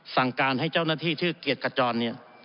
สั่งการให้เจ้าหน้าที่ชื่อเกียรติขจรเนี่ย